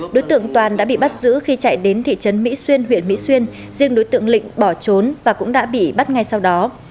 đối tượng toàn đã bị bắt giữ khi chạy đến thị trấn mỹ xuyên huyện mỹ xuyên riêng đối tượng lịnh bỏ trốn và cũng đã bị bắt ngay sau đó